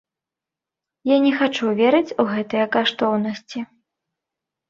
Я не хачу верыць у гэтыя каштоўнасці.